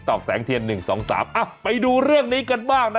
โอ้ยแต่ละเรื่อง